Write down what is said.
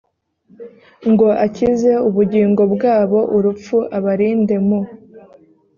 ngo akize ubugingo bwabo urupfu abarinde mu